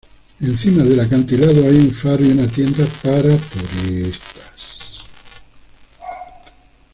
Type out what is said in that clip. Encima del acantilado hay un faro y una tienda para turistas.